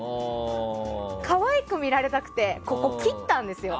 可愛く見られたくて顔を切ったんですよ。